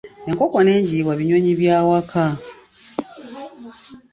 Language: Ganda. Enkoko n'enjiibwa binyonyi by'awaka.